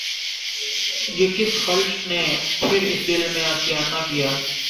یہ کس خلش نے پھر اس دل میں آشیانہ کیا